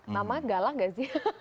mama galak nggak sih